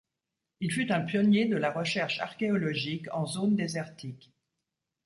Il fut un pionnier de la recherche archéologique en zone désertique.